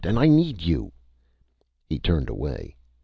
And I need you!" He turned away.